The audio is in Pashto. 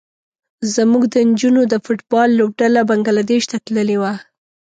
زموږ د نجونو د فټ بال لوبډله بنګلادیش ته تللې وه.